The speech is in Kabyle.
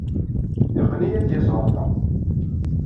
Yeqqen-iyi ad d-yas ɣer da.